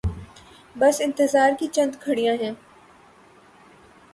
بس انتظار کی چند گھڑیاں ہیں۔